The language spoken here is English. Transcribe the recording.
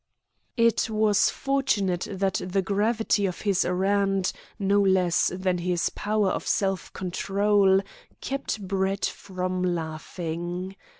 It was fortunate that the gravity of his errand, no less than his power of self control, kept Brett from laughing.